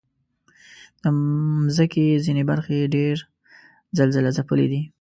د مځکې ځینې برخې ډېر زلزلهځپلي دي.